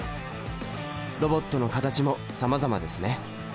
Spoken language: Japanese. ロボットの形もさまざまですね。